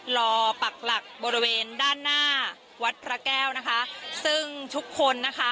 ปักหลักบริเวณด้านหน้าวัดพระแก้วนะคะซึ่งทุกคนนะคะ